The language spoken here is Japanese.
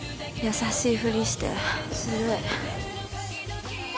優しいふりしてずるい。